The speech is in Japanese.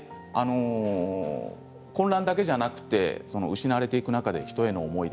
混乱だけではなくて失われていく中で一重の思い